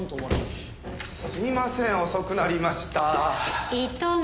すいません。